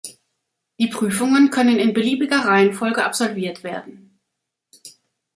Die Prüfungen können in beliebiger Reihenfolge absolviert werden.